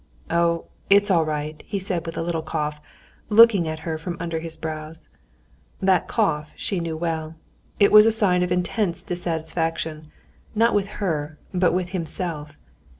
"Oh, it's all right," he said with a little cough, looking at her from under his brows. That cough she knew well. It was a sign of intense dissatisfaction, not with her, but with himself.